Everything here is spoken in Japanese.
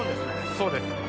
そうです。